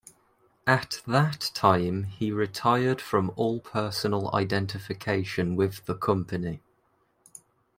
At that time he retired from all personal identification with the company.